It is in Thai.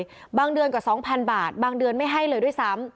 เอาไว้เลยบางเดือนกว่าสองพันบาทบางเดือนไม่ให้เลยด้วยซ้ำ